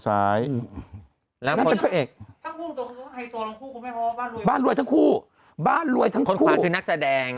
คนซ้ายคนซ้ายแล้วเป็นเจ้าเอกบ้านรวยทั้งคู่บ้านรวยทั้งคู่คนความคือนักแสดง